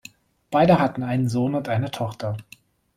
Beide hatten einen Sohn und eine Tochter.